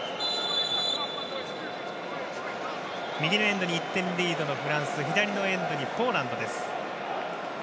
右のエンドに１点リードのフランス左のエンドにポーランドです。